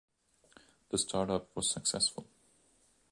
The startup was successful.